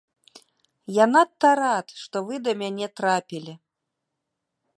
Я надта рад, што вы да мяне трапілі.